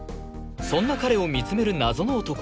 そんな彼を見つめる謎の男